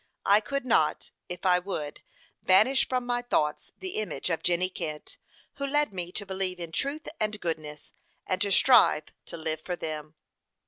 "I could not, if I would, banish from my thoughts the image of Jenny Kent, who led me to believe in truth and goodness, and to strive to live for them."